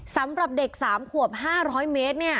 สำหรับเด็ก๓ขวบ๕๐๐เมตร